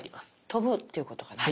飛ぶっていうことかな？